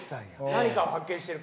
何かを発見してる。